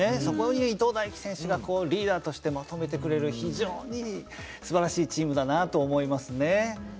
そこに伊東大貴選手がこうリーダーとしてまとめてくれる非常にすばらしいチームだなあと思いますね。